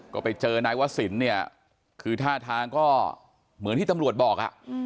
ก็ไปเจอนายวศิลป์เนี่ยคือท่าทางก็เหมือนที่ตำรวจบอก